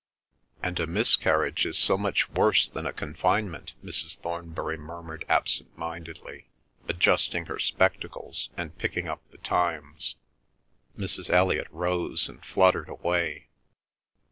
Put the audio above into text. "And a miscarriage is so much worse than a confinement," Mrs. Thornbury murmured absentmindedly, adjusting her spectacles and picking up The Times. Mrs. Elliot rose and fluttered away.